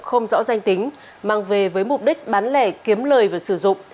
không rõ danh tính mang về với mục đích bán lẻ kiếm lời và sử dụng